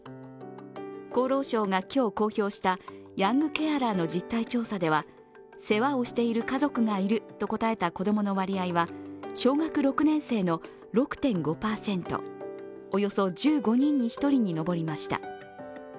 厚労省が今日公表したヤングケアラーの実態調査では世話をしている家族がいると答えた子供の割合は小学６年生の６．５％、およそ１５人に１人に上りました。